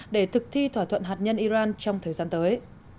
để thực thi thỏa thuận hạt nhân iran trong thời gian tới